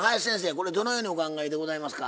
これどのようにお考えでございますか？